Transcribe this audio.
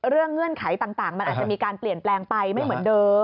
เงื่อนไขต่างมันอาจจะมีการเปลี่ยนแปลงไปไม่เหมือนเดิม